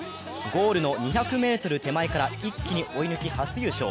ゴールの２００ｍ手前から一気に追い抜き、初優勝。